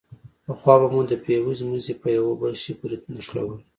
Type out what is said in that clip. پخوا به مو د فيوز مزي په يوه بل شي پورې نښلول.